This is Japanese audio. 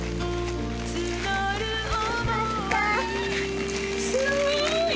あすごい！